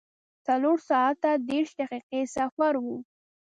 څلور ساعته دېرش دقیقې سفر و.